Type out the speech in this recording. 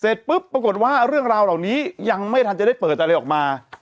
เสร็จปุ๊บปรากฏว่าเรื่องราวเหล่านี้ยังไม่ทันจะได้เปิดอะไรออกมา